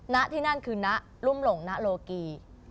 ณที่นั่นคือณรุ่มหลงณโลกี